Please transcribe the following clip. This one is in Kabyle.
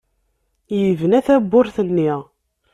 Yebna tawwurt-nni.